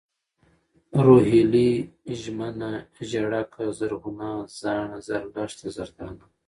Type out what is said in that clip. روهيلۍ ، ژمنه ، ژېړکه ، زرغونه ، زاڼه ، زرلښته ، زردانه